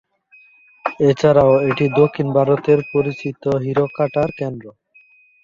এছাড়াও এটি দক্ষিণ ভারতের পরিচিত হীরক কাটার কেন্দ্র।